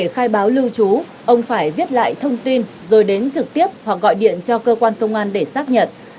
khai báo lưu trú ông phải viết lại thông tin rồi đến trực tiếp hoặc gọi điện cho cơ quan công an để xác nhận